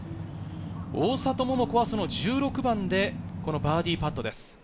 大里桃子はその１６番でバーディーパットです。